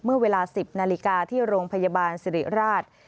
เมื่อเวลา๑๐นาฬิกาที่โรงพยาบาลสิริราช